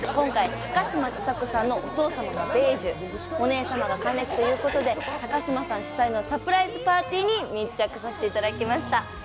今回、高嶋ちさ子さんのお父さんが米寿、お姉さまが還暦ということで高嶋さん主催のサプライズパーティーに密着させていただきました。